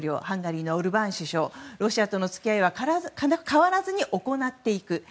ハンガリーのオルバーン首相ロシアとの付き合いは変わらずに行っていく。